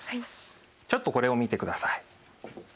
ちょっとこれを見てください。